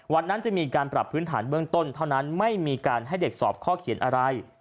วันนั้นจะมีการปรับพื้นฐานเบื้องต้นเท่านั้นไม่มีการให้เด็กสอบข้อเขียนอะไร